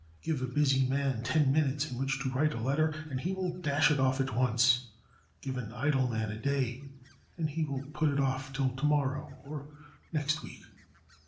Give a busy man ten minutes in which to write a letter, and he will dash it off at once; give an idle man a day, and he will put it off till to morrow or next week.